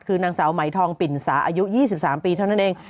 คือนางสาวไหมทองปิ่นสาอายุ๒๓ปีเท่านั้นเอง